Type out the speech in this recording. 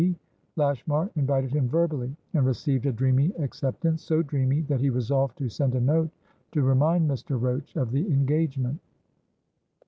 P., Lashmar invited him verbally, and received a dreamy acceptanceso dreamy that he resolved to send a note, to remind Mr. Roach of the engagement.